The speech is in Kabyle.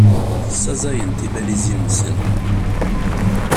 Ssaẓayen tibalizin-nsen.